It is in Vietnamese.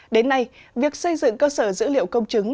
đến nay việc xây dựng cơ sở dữ liệu công chứng